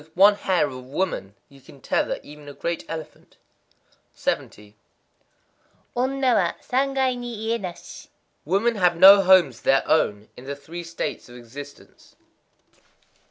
_ With one hair of a woman you can tether even a great elephant. 70.—Onna wa Sangai ni iyé nashi. Women have no homes of their own in the Three States of Existence.